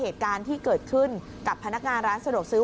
เหตุการณ์ที่เกิดขึ้นกับพนักงานร้านสะดวกซื้อ